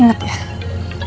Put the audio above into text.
jangan pernah ngancam gue lagi